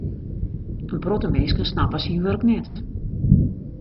In protte minsken snappe syn wurk net.